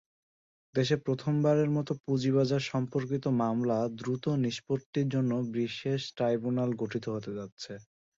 দেশে প্রথমবারের মতো পুঁজিবাজার-সম্পর্কিত মামলা দ্রুত নিষ্পত্তির জন্য বিশেষ ট্রাইব্যুনাল গঠিত হতে যাচ্ছে।